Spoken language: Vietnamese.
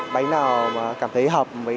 bánh nào mà cảm thấy hợp với